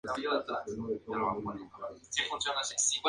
Otros miembros de la "gens" no llevaron ningún apellido.